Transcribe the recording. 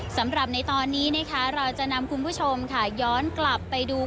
สำหรับในตอนนี้นะคะเราจะนำคุณผู้ชมค่ะย้อนกลับไปดู